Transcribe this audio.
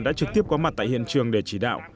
đã trực tiếp có mặt tại hiện trường để chỉ đạo